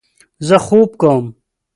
زه خوب کوم